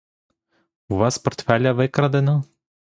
У вас портфеля викрадено?